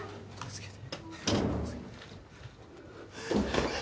助けて！